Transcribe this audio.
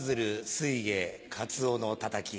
酔鯨カツオのたたき。